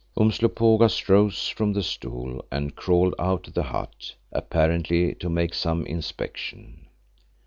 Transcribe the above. Umslopogaas rose from the stool and crawled out of the hut, apparently to make some inspection.